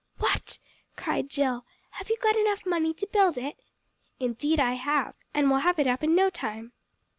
"What!" cried Jill. "Have you got enough money to build it?" "Indeed I have. And we'll have it up in no time."